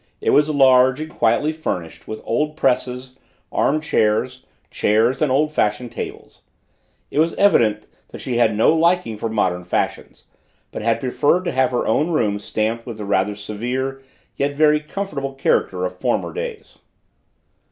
It was large, and quietly furnished with old presses, arm chairs, chairs and old fashioned tables. It was evident that she had had no liking for modern fashions, but had preferred to have her own room stamped with the rather severe, yet very comfortable character of former days.